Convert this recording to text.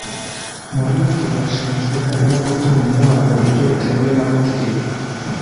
Mu bindi bashinjwe harimo gutunga intwaro ku buryo butemewe n’amategeko